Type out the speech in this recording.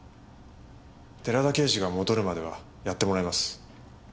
寺田刑事が戻るまではやってもらいます。